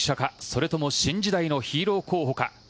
それとも新時代のヒーロー候補か。